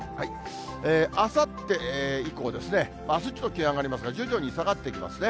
あさって以降、あすちょっと気温が上がりますが、徐々に下がってきますね。